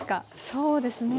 そうですね